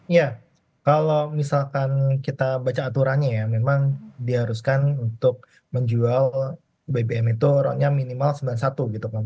ya kalau misalkan kita baca aturannya ya memang diharuskan untuk menjual bbm itu roadnya minimal sembilan puluh satu gitu kan